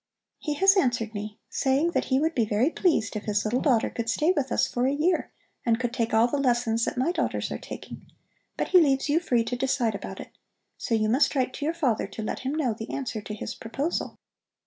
He has answered me, saying that he would be very pleased if his little daughter could stay with us for a year and could take all the lessons that my daughters are taking; but he leaves you free to decide about it. So you must write to your father to let him know the answer to his proposal.